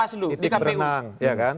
siapa yang aku telepon di bawaslu